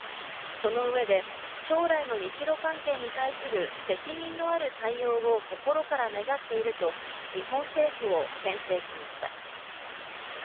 その上で、将来の日ロ関係に対する責任のある対応を心から願っていると、日本政府をけん制しました。